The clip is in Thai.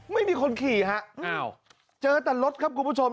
ไม่มีคนขี่ฮะอ้าวเจอแต่รถครับคุณผู้ชม